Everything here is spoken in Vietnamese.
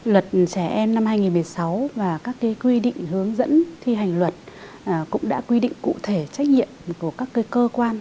luật trẻ em năm hai nghìn một mươi sáu và các quy định hướng dẫn thi hành luật cũng đã quy định cụ thể trách nhiệm của các cơ quan